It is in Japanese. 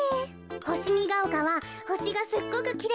ほしみがおかはほしがすっごくきれいにみえたよね。